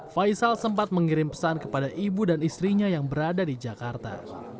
faisal sempat mengirim pesan kepada ibu dan istrinya yang berada di jakarta